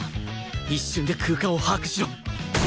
一瞬で空間を把握しろ！